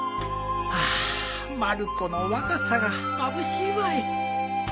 ハァまる子の若さがまぶしいわい